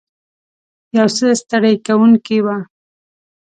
یو څه ستړې کوونکې وه.